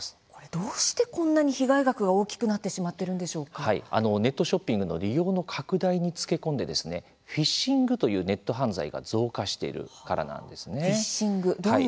どうしてこんなに被害額が大きくなってネットショッピングの利用の拡大につけ込んでフィッシングというネット犯罪がフィッシング。